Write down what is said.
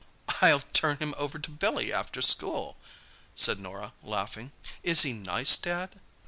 "I'll turn him over to Billy after school," said Norah laughing. "Is he nice, Dad?"